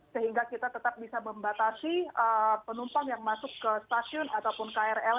sehingga kita tetap bisa membatasi penumpang yang masuk ke stasiun ataupun krl